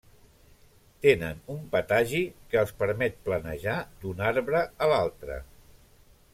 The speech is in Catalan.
Tenen un patagi que els permet planejar d'un arbre a l'altre.